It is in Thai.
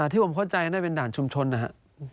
ที่ผมเข้าใจก็ได้เป็นด่านชุมชนนะฮะ